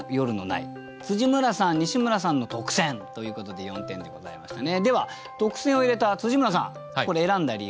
村さん西村さんの特選ということで４点でございましたね。